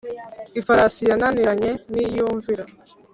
Ifarasi yananiranye, ntiyumvira,